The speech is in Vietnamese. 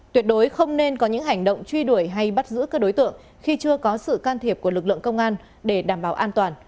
tuyệt đối không nên có những hành động truy đuổi hay bắt giữ các đối tượng khi chưa có sự can thiệp của lực lượng công an để đảm bảo an toàn